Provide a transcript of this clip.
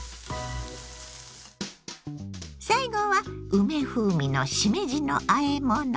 最後は梅風味のしめじのあえもの。